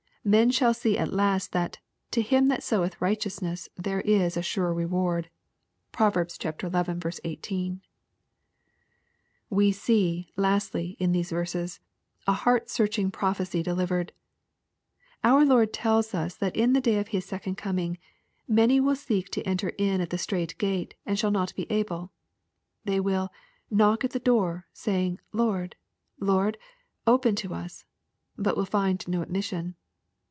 Men shall see at last that " To him that soweth righteousness there is a sure re ward." (Prov. xi. 18.) We see, lastly, in these verses, a heart searching pro phecy delivered. Our Lord tells us that in the day of His second coming, *' Many will seek to enter in at the strait gate, and shall not be able." — They will " knock at the door, saying, Lord, Lord, open to us," but will find no admission.